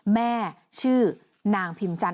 แม่ชื่อนางพิมจันท